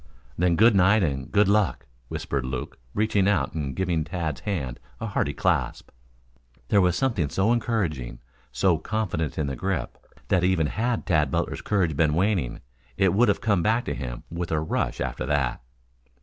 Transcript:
"Then good night and good luck," whispered Luke, reaching out and giving Tad's hand a hearty clasp. There was something so encouraging so confident in the grip, that even had Tad Butler's courage been waning, it would have come back to him with a rush after that.